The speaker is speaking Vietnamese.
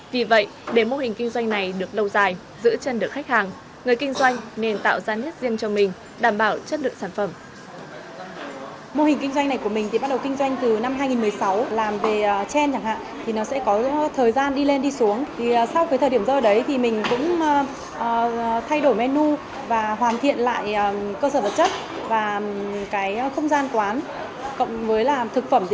vì vậy để mô hình kinh doanh này được lâu dài giữ chân được khách hàng người kinh doanh nên tạo ra nét riêng cho mình đảm bảo chất lượng sản phẩm